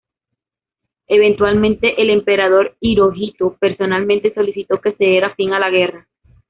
Eventualmente el Emperador Hirohito personalmente solicitó que se diera fin a la guerra.